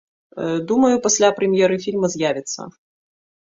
Думаю, пасля прэм'еры фільма з'явіцца.